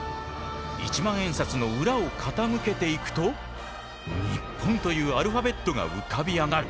１万円札の裏を傾けていくと「ＮＩＰＰＯＮ」というアルファベットが浮かび上がる。